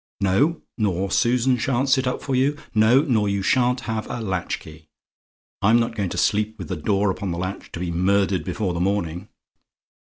No: nor Susan shan't sit up for you. No: nor you shan't have a latchkey. I'm not going to sleep with the door upon the latch, to be murdered before the morning.